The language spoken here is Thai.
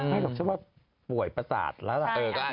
ไม่ต้องเชื่อว่าป่วยประสาทละ